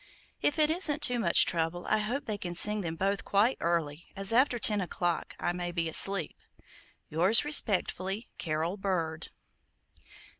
If it isn't too much trouble, I hope they can sing them both quite early, as after ten o'clock I may be asleep. Yours respectfully, CAROL BIRD.